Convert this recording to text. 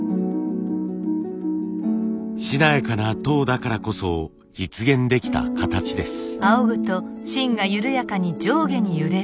しなやかな籐だからこそ実現できた形です。